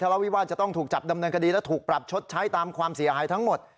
ละวิวาสจะต้องถูกจับดำเนินคดีและถูกปรับชดใช้ตามความเสียหายทั้งหมด